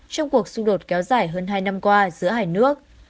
trong cuộc xung đột kéo dài hơn hai năm qua giữa hai nước